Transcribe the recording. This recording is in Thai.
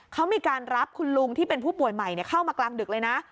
เขามีการรับคุณลุงที่เป็นผู้ป่วยใหม่เข้ามากลางดึกเลยนะ